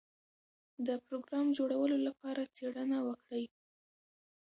د پروګرام جوړولو لپاره څېړنه وکړئ.